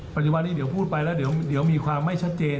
ปัจจุบันนี้เดี๋ยวพูดไปแล้วเดี๋ยวมีความไม่ชัดเจน